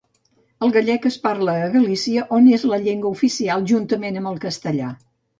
El gallec es parla a Galícia, on és la llengua oficial juntament amb el castellà.